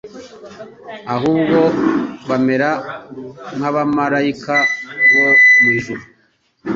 ahubwo bamera nk'abamaraika bo mu ijuru.»